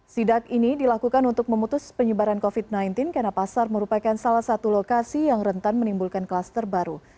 sidak ini dilakukan untuk memutus penyebaran covid sembilan belas karena pasar merupakan salah satu lokasi yang rentan menimbulkan kluster baru